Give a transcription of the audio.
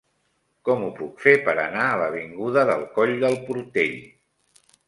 Com ho puc fer per anar a l'avinguda del Coll del Portell?